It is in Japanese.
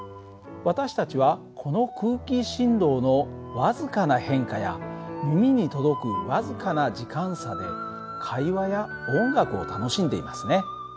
私たちはこの空気振動の僅かな変化や耳に届く僅かな時間差で会話や音楽を楽しんでいますね。